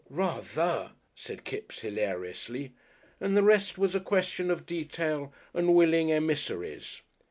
"Rather!" said Kipps hilariously, and the rest was a question of detail and willing emissaries.